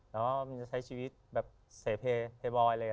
แล้วมันจะใช้ชีวิตแบบเสพเฮบอย